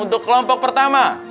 untuk kelompok pertama